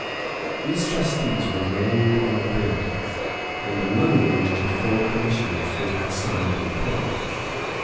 These trustees were named in the bill; and among them were the four commissioners who had signed the report.